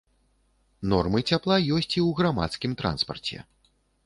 Нормы цяпла ёсць і ў грамадскім транспарце.